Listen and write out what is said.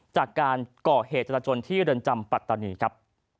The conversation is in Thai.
จากการก่อเหตุจรจนที่เรือนจำปัตตานีครับ